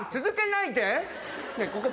⁉続けないでねぇ